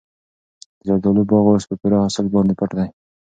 د زردالو باغ اوس په پوره حاصل باندې پټ دی.